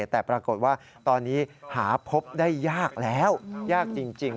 แต่ปรากฏว่าตอนนี้หาพบได้ยากแล้วยากจริง